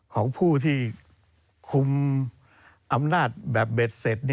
ของผู้ที่คุมอำนาจแบบเบ็ดเสร็จ